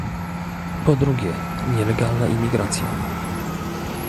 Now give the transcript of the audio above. Po drugie, nielegalna imigracja